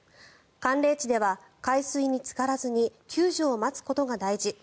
寒冷地では海水につからずに救助を待つことが大事。